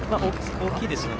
大きいですね。